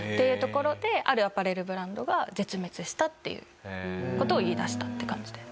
いうところであるアパレルブランドが「絶滅した」っていう事を言いだしたって感じで。